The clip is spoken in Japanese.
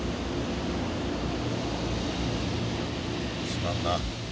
すまんな。